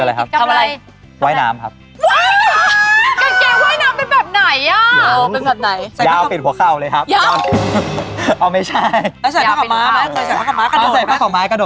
เอาไว้มัดใจคนรักไม่ใช่เอาไว้มัดใจตัวเองนะคะคุณ